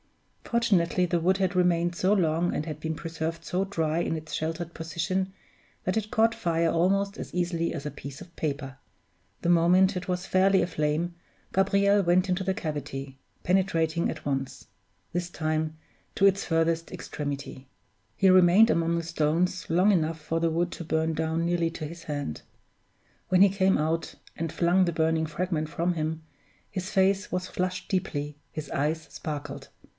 Fortunately the wood had remained so long and had been preserved so dry in its sheltered position, that it caught fire almost as easily as a piece of paper. The moment it was fairly aflame Gabriel went into the cavity, penetrating at once this time to its furthest extremity. He remained among the stones long enough for the wood to burn down nearly to his hand. When he came out, and flung the burning fragment from him, his face was flushed deeply, his eyes sparkled.